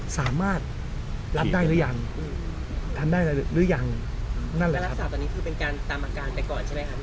สามารถรับได้หรือยังทำได้หรือยังนั่นแหละลักษณะตอนนี้คือเป็นการตามอาการไปก่อนใช่ไหมครับ